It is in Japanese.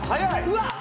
うわっ！